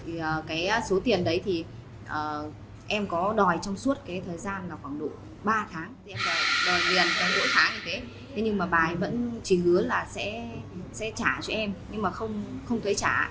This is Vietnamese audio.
vì cái số tiền đấy thì em có đòi trong suốt cái thời gian là khoảng độ ba tháng em đòi liền cả mỗi tháng như thế thế nhưng mà bà ấy vẫn chỉ hứa là sẽ trả cho em nhưng mà không thấy trả